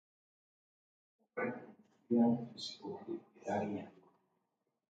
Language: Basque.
Hala ere, sailkapena, deskribapen fisikoa baino konplexuagoa da.